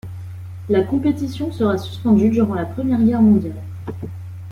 La compétition sera suspendue durant la Première Guerre mondiale.